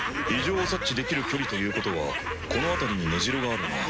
異常を察知できる距離ということはこの辺りに根城があるな。